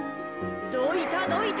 どいたどいた。